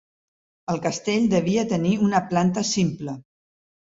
El castell devia tenir una planta simple.